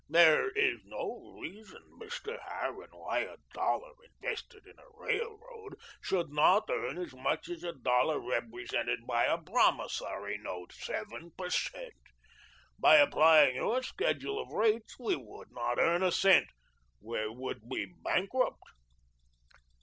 There is no reason, Mr. Harran, why a dollar invested in a railroad should not earn as much as a dollar represented by a promissory note seven per cent. By applying your schedule of rates we would not earn a cent; we would be bankrupt."